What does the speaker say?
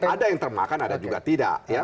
ada yang termakan ada juga tidak